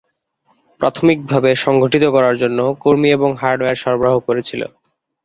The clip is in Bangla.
প্রাথমিকভাবে সংগঠিত করার জন্য কর্মী এবং হার্ডওয়্যার সরবরাহ করেছিলো।